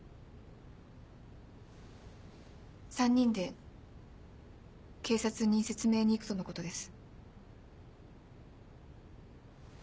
３人で警察に説明に行くとのことです。